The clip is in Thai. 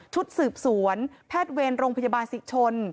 ชุดสืบสวนแพทย์เวรโรงพยาบาลศิชน